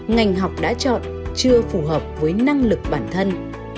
ngành học đã chọn chưa phù hợp với năng lực bản thân